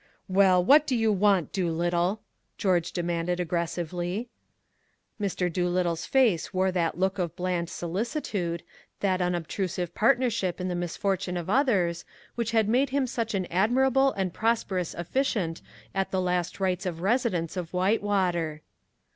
"Well, what d'you want, Doolittle?" George demanded aggressively. Mr. Doolittle's face wore that look of bland solicitude, that unobtrusive partnership in the misfortune of others, which had made him such an admirable and prosperous officiant at the last rites of residents of Whitewater.